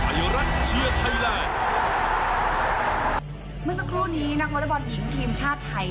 เมื่อสักครู่นี้นักวอเล็กบอลหญิงทีมชาติไทย